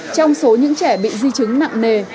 trong số những trẻ bị di chứng nặng nề